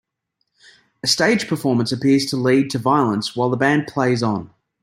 A stage performance appears to lead to violence while the band plays on.